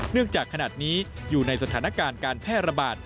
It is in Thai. จากขนาดนี้อยู่ในสถานการณ์การแพร่ระบาด